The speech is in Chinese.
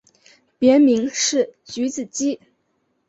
别名是菊子姬。